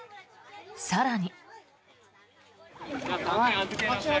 更に。